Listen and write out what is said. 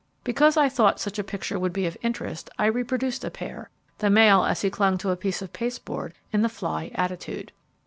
Because I thought such a picture would be of interest, I reproduced a pair the male as he clung to a piece of pasteboard in the 'fly' attitude.